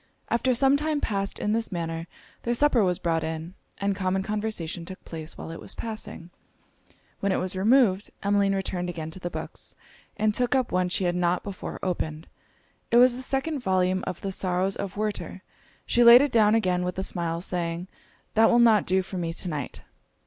After some time passed in this manner, their supper was brought in, and common conversation took place while it was passing. When it was removed, Emmeline returned again to the books, and took up one she had not before opened. It was the second volume of the Sorrows of Werter. She laid it down again with a smile, saying 'That will not do for me to night.'